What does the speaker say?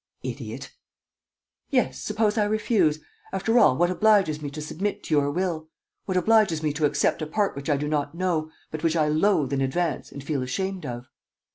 "Idiot!" "Yes, suppose I refuse? After all, what obliges me to submit to your will? What obliges me to accept a part which I do not know, but which I loathe in advance and feel ashamed of?"